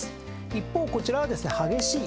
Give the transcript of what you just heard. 一方こちらはですね激しい。